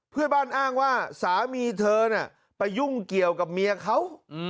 เพื่อนบ้านอ้างว่าสามีเธอน่ะไปยุ่งเกี่ยวกับเมียเขา